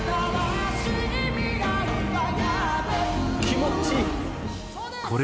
「気持ちいい！」